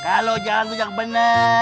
kalo jalan itu tak bener